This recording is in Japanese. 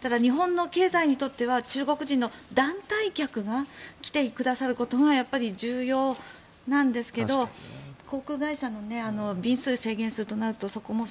ただ、日本の経済にとっては中国人の団体客は来てくださることがやっぱり重要なんですけど航空会社の便数を制限するとなるとそこも。